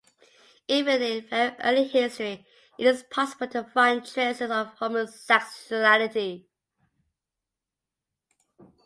Even in very early history it is possible to find traces of homosexuality.